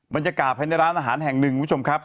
มันจะกลับให้ในร้านอาหารแห่งหนึ่งคุณผู้ชมครับ